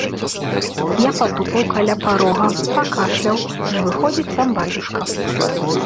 Я патупаў каля парога, пакашляў, аж выходзіць сам бацюшка.